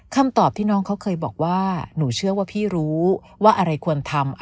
คำตอบที่น้องเขาเคยบอกว่าหนูเชื่อว่าพี่รู้ว่าอะไรควรทำ